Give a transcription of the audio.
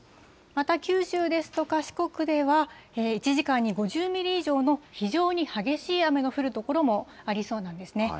また、九州ですとか四国では、１時間に５０ミリ以上の非常に激しい雨の降る所もありそうなんですね。